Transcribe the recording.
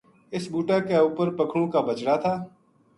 اس بوٹا کے اپر پکھنو کا بچڑا تھا